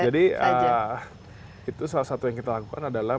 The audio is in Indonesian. jadi itu salah satu yang kita lakukan adalah